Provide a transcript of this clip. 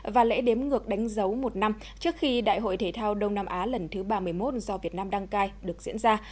và lễ đếm ngược đánh dấu một năm trước khi đại hội thể thao đông nam á lần thứ ba mươi một do việt nam đăng cai được diễn ra